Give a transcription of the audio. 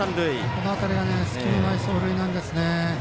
この辺りが隙のない走塁なんですね。